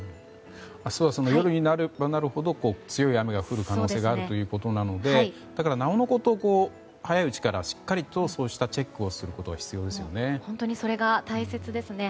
明日は夜になればなるほど強い雨が降る可能性があるということなのでだから、なおのこと早いうちからしっかりとそうしたチェックをすることが必要ですよね。